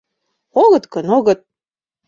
— Огыт гын, огыт.